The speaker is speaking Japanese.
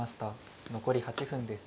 残り８分です。